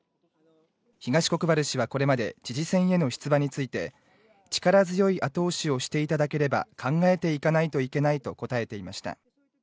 東国原氏はこれまで知事選への出馬について力強い後押しをしていただければ、考えていかないといけないと答えていました。